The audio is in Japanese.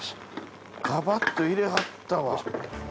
ガバッと入れはったわ。